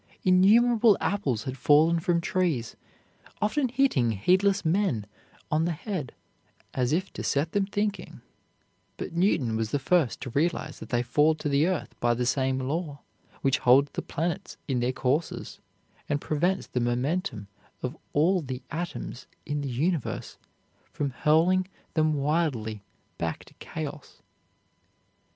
Innumerable apples had fallen from trees, often hitting heedless men on the head as if to set them thinking, but Newton was the first to realize that they fall to the earth by the same law which holds the planets in their courses and prevents the momentum of all the atoms in the universe from hurling them wildly back to chaos.